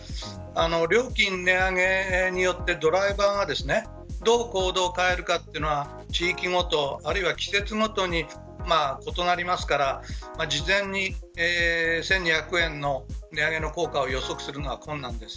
料金値上げによってドライバーがどう行動を変えるかというのは地域ごと、あるいは季節ごとに異なりますから事前に１２００円の値上げの効果を予測するのは困難です。